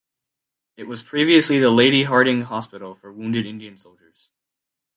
It was previously the Lady Hardinge Hospital for Wounded Indian Soldiers.